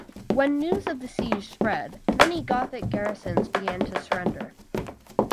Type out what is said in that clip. When news of the siege spread many Gothic garrisons began to surrender.